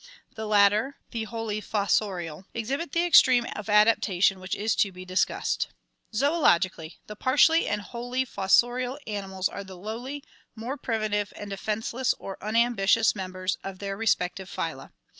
The latter, the wholly fossorial, exhibit the extreme of adaptation which is to be discussed. Zodlogic, — Zoologically, the partially and wholly fossorial ani mals are the lowly, more primitive and defenseless or unambitious members of their respective phvla.